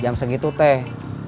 jam segitu teh